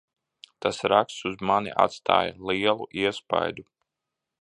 Tas raksts uz mani atstāja lielu iespaidu.